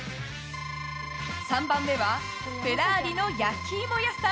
３番目はフェラーリの焼き芋屋さん。